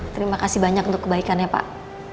terima kasih banyak untuk kebaikan ya pak